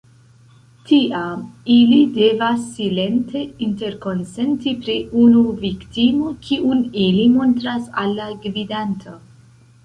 Tiam, ili devas silente interkonsenti pri unu viktimo, kiun ili montras al la gvidanto.